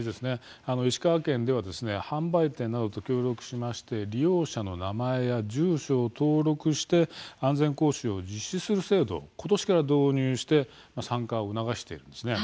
石川県では販売店などと協力して利用者の名前や住所を登録して安全講習を実施する制度をことしから導入して参加を促しているんです。